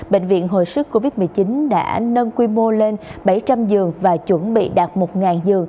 bệnh viện hồi sức covid một mươi chín đã nâng quy mô lên bảy trăm linh giường và chuẩn bị đạt một giường